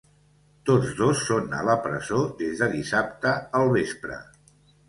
Tots dos són a la presó des de dissabte al vespre.